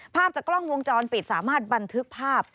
ภาพจากกล้องวงจรปิดสามารถบันทึกภาพ